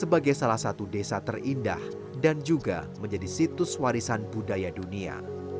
sebagai salah satu desa terindah dan juga menjadi situs warisan budaya dunia